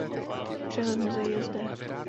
Přehled muzeí je zde.